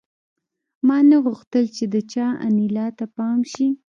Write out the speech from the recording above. ما نه غوښتل چې د چا انیلا ته پام شي